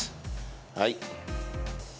はい。